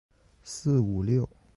四五六